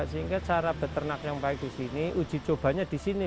sehingga cara beternak yang baik di sini uji cobanya di sini